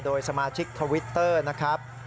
โดยสมาชิกทวิตเตอร์นะครับ